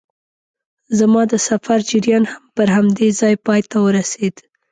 زما د سفر جریان هم پر همدې ځای پای ته ورسېد.